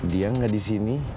dia gak disini